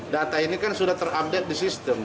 data ini kan sudah terupdate di sistem